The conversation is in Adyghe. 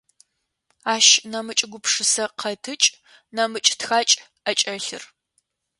Ащ нэмыкӏ гупшысэ къэтыкӏ, нэмыкӏ тхакӏ ӏэкӏэлъыр.